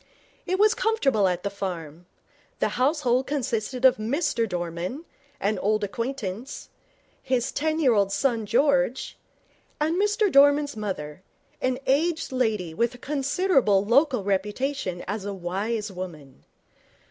It was comfortable at the farm. The household consisted of Mr Dorman, an old acquaintance, his ten year old son George, and Mr Dorman's mother, an aged lady with a considerable local reputation as a wise woman.